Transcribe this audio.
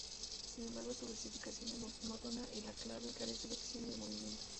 Sin embargo, su versificación es monótona y la obra carece de acción y movimiento.